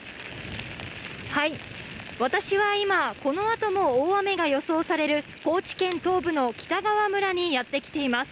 私は今、このあとも大雨が予想される、高知県東部の北川村にやって来ています。